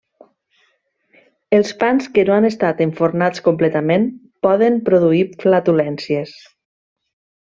Els pans que no han estat enfornats completament poden produir flatulències.